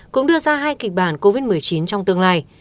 cũng đưa ra hai kịch bản covid một mươi chín trong tương lai